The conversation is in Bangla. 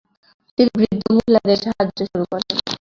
তিনি বৃদ্ধ মহিলাদের সাহায্য শুরু করেন।